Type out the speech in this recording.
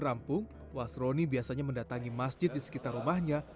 rampung wasroni biasanya mendatangi masjid di sekitar rumahnya